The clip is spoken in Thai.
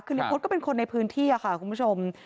คือเนพฤษก็เป็นคนในพื้นที่คุณผู้ชม